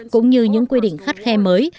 cũng như những quy định khắt khe mới